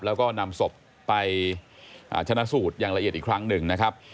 แล้วก็นำศพไปชนะสูตรอย่างละเอียดอีกครั้งหนึ่งนะครับ